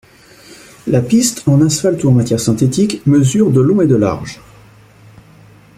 La piste, en asphalte ou en matière synthétique, mesure de long et de large.